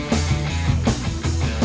justru enggak sih ayah